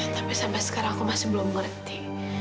tapi sampai sekarang aku masih belum mengerti